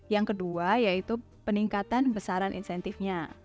yang kedua yaitu peningkatan besaran insentifnya